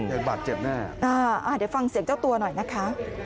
เด็กบาดเจ็บแน่อ่าเดี๋ยวฟังเสียงเจ้าตัวหน่อยนะคะ